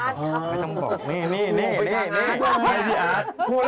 อัจฉริยะทางจิตกร